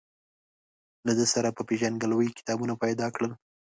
له ده سره په پېژندګلوۍ کتابونه پیدا کړل.